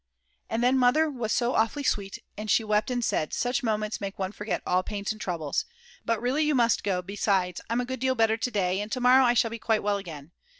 And then Mother was so awfully sweet, and she wept and said: "Such moments make one forget all pains and troubles. But really you must go, besides I'm a good deal better to day, and to morrow I shall be quite well again."